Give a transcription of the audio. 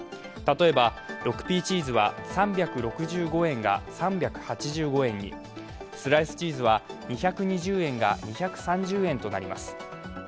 例えば６Ｐチーズは３６５円が３８５円に、スライスチーズは２２０円が２３０円となります。